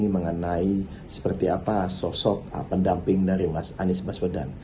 mengenai seperti apa sosok pendamping dari mas anies baswedan